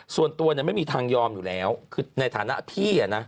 ส่วนตัวไม่มีทางยอมอยู่แล้วคือในฐานะพี่